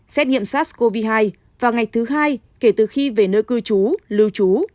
xét nghiệm sars cov hai vào ngày thứ hai kể từ khi về nơi cư chú lưu chú